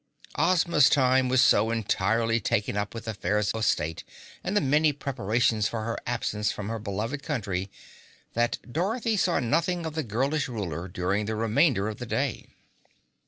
Ozma's time was so entirely taken up with affairs of state and the many preparations for her absence from her beloved country, that Dorothy saw nothing of the girlish ruler during the remainder of the day.